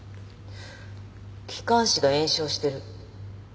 気管支が炎症してる。